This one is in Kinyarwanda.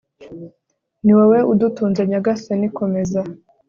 niwowe udutunze, nyagasani, komeza